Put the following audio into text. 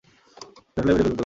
চাটলে মেরে ফেলব তোকে!